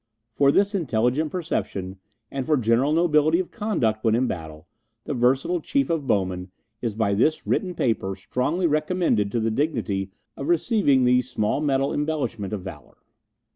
For this intelligent perception, and for general nobility of conduct when in battle, the versatile Chief of Bowmen is by this written paper strongly recommended to the dignity of receiving the small metal Embellishment of Valour.